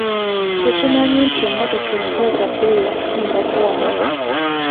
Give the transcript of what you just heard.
Tukimanyi nti emmotoka empya za bbeeyi okusingako wano.